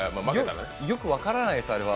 よく分からないです、あれは。